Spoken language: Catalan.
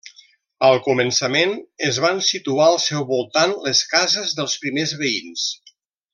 Al començament es van situar al seu voltant les cases dels primers veïns.